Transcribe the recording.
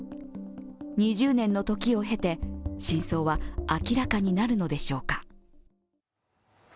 ２０年の時を経て、真相は明らかになるのでしょうか。